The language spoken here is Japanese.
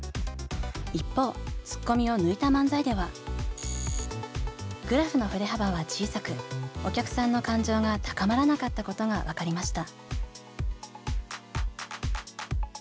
一方ツッコミを抜いた漫才ではグラフの振れ幅は小さくお客さんの感情が高まらなかったことが分かりました。